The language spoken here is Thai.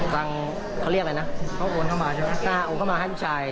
ฟังเขาเรียกอะไรนะเขาโอนเข้ามาใช่ไหมถ้าโอนเข้ามาให้ลูกชาย